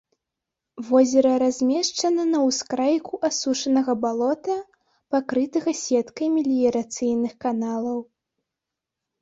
Возера размешчана на ўскрайку асушанага балота, пакрытага сеткай меліярацыйных каналаў.